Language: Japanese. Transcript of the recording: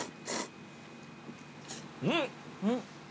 うん！